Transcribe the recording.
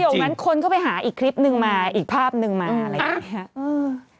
พอพูดประโยคงั้นคนก็ไปหาอีกคลิปนึงมาอีกภาพนึงมาอะไรอย่างนี้